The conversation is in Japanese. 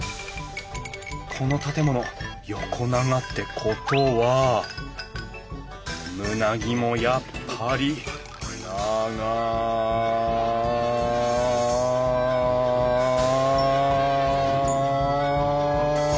この建物横長ってことは棟木もやっぱり長い！